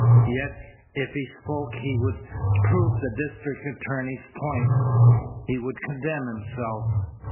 Yet if he spoke he would prove the district attorney's point. He would condemn himself.